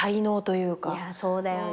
いやそうだよね。